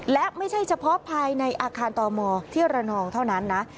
และไม่ใช่เฉพาะภายในอาคารตมที่ระนองเท่านั้นนะ